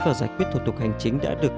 và giải quyết thủ tục hành chính đã được